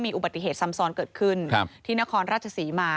อุบัติเหตุซ้ำซ้อนเกิดขึ้นที่นครราชศรีมา